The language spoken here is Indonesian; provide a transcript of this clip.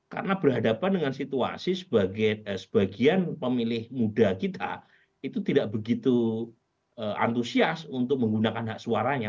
karena berhadapan dengan situasi sebagian pemilih muda kita itu tidak begitu antusias untuk menggunakan hak suaranya